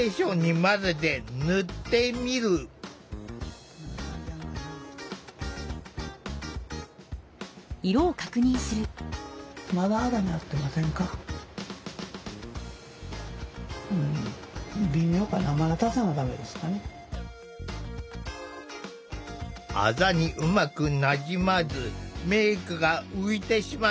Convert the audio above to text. あざにうまくなじまずメークが浮いてしまった。